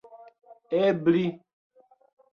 ebli